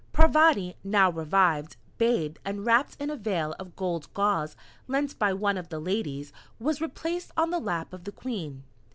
Parvati, now revived, bathed, and wrapped in a veil of gold gauze lent by one of the Ladies, was replaced on the lap of the Queen.